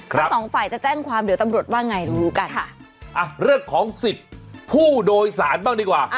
ทั้งสองฝ่ายจะแจ้งความเดี๋ยวตำรวจว่าไงรู้กันเรื่องของสิทธิ์ผู้โดยสารบ้างดีกว่า